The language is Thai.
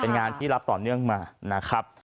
เป็นงานที่รับต่อเนื่องมานะครับ